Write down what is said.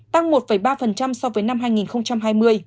tăng một ba so với năm hai nghìn hai mươi